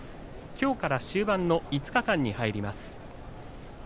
きょうから終盤の５日間に入ります。